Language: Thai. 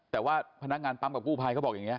แต่ว่าพนักงานปั๊มกับกู้ภัยเขาบอกอย่างนี้